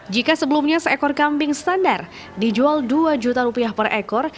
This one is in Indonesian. jika sebelumnya seekor kambing standar dijual dua juta rupiah per ekor